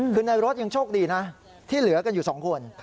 คือในรถยังโชคดีนะที่เหลือกันอยู่๒คน